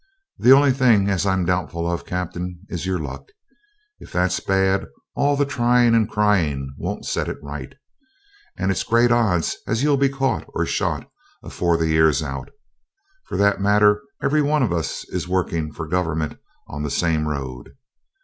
The only thing as I'm doubtful of, Captain, is your luck. If that's bad, all the trying and crying won't set it right. And it's great odds as you'll be caught or shot afore the year's out. For that matter, every one of us is working for Government on the same road.